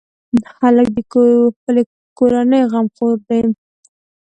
هلک د خپلې کورنۍ غمخور دی.